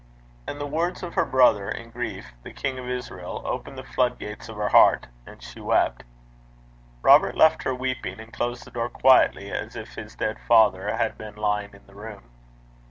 And the words of her brother in grief, the king of Israel, opened the floodgates of her heart, and she wept. Robert left her weeping, and closed the door quietly as if his dead father had been lying in the room.